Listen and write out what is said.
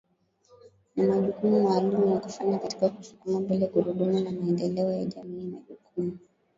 na majukumu maalum ya kufanya katika kusukuma mbele gurudumu la maendeleo ya jamii Majukumu